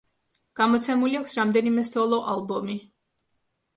გამოცემული აქვს რამდენიმე სოლო ალბომი.